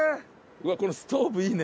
うわっこのストーブいいね。